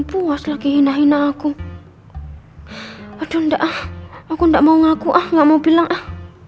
puas lagi indahin aku aduh enggak ah aku enggak mau ngaku ah nggak mau bilang ah